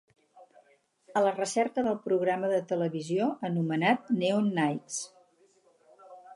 A la recerca del programa de televisió anomenat Neon Nights